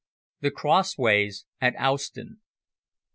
THE CROSSWAYS AT OWSTON.